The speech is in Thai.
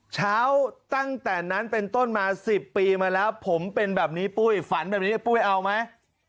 ตั้งแต่นั้นเป็นต้นมา๑๐ปีมาแล้วผมเป็นแบบนี้ปุ้ยฝันแบบนี้ปุ้ยเอาไหม